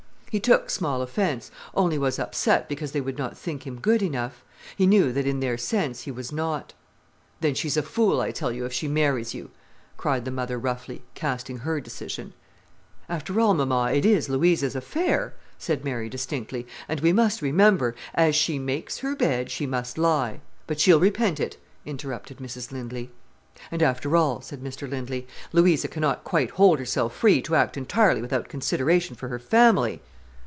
He took small offence, only was upset, because they would not think him good enough. He knew that, in their sense, he was not. "Then she's a fool, I tell you, if she marries you," cried the mother roughly, casting her decision. "After all, mama, it is Louisa's affair," said Mary distinctly, "and we must remember——" "As she makes her bed, she must lie—but she'll repent it," interrupted Mrs Lindley. "And after all," said Mr Lindley, "Louisa cannot quite hold herself free to act entirely without consideration for her family."